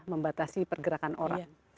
membatasi pergerakan orang